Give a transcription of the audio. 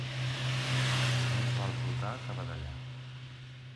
Més val rotar que badallar.